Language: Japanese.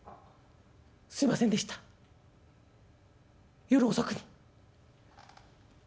すいませんでした夜遅くに」。